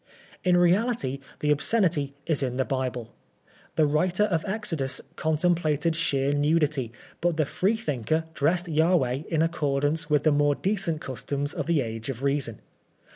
In reality the obsce nity is in the Bible. The writer of Exodus contem plated sheer nudity, but the Freethinker dressed Jahveh in accordance with the more decent customs of the age of reason.